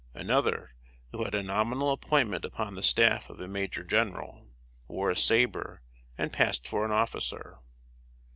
Another, who had a nominal appointment upon the staff of a major general, wore a saber and passed for an officer.